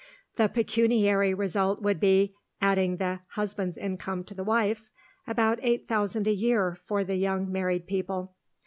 The pecuniary result would be (adding the husband's income to the wife's) about eight thousand a year for the young married people.